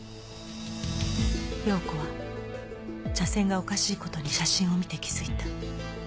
洋子は茶筅がおかしいことに写真を見て気づいた。